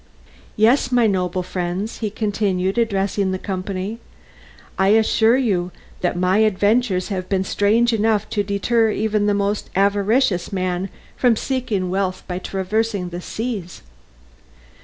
"Yes, my noble friends," he continued, addressing the company, "I assure you that my adventures have been strange enough to deter even the most avaricious men from seeking wealth by traversing the seas.